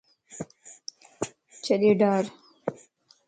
ڇڏي ڊار